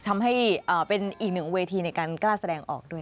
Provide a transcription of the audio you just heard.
ทำให้เป็นอีกหนึ่งเวทีในการกล้าแสดงออกด้วย